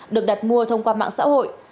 được đặt mua thông qua mạng xã hội